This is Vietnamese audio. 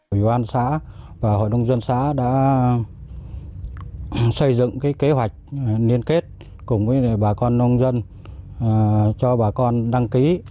ủy ban xã và hội nông dân xã đã xây dựng kế hoạch liên kết cùng với bà con nông dân cho bà con đăng ký